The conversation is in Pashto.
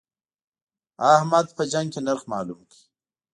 احمد په جنګ کې نرخ مالوم کړ.